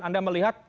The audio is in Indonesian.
anda melihat selama